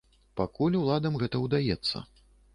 Пакуль уладам гэта ўдаецца.